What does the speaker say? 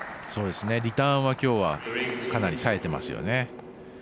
リターンはきょうはかなりさえてますよね。